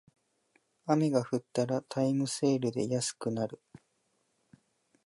雨が降ったらタイムセールで安くなる